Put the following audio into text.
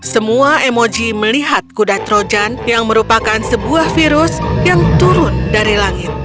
semua emoji melihat kuda trojan yang merupakan sebuah virus yang turun dari langit